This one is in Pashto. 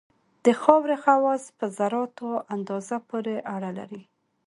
د خاورې خواص په ذراتو اندازه پورې اړه لري